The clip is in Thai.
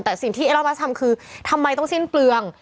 แต่สิ่งที่เอลอลมัสทำคือทำไมต้องสิ้นเปลือง